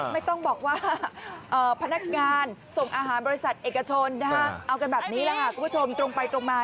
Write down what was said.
ไม่ต้องบอกว่าพนักงานส่งอาหารบริษัทเอกชนเอากันแบบนี้แหละค่ะคุณผู้ชมตรงไปตรงมา